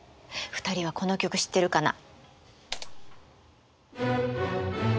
２人はこの曲知ってるかな？